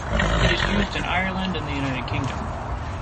It is used in Ireland and the United Kingdom.